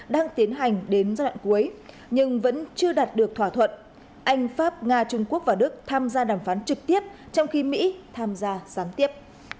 sau khi mỹ đơn phương rút khỏi thỏa thuận jcpoa được iran cùng với nhóm p năm một gồm mỹ anh pháp nga trung quốc và đức ký vào hồi tháng năm năm hai nghìn một mươi tám cho đến nay